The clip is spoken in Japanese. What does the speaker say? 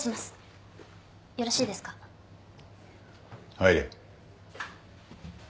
入れ。